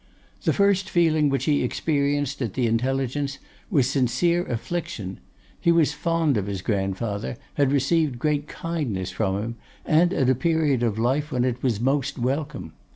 The first feeling which he experienced at the intelligence was sincere affliction. He was fond of his grandfather; had received great kindness from him, and at a period of life when it was most welcome.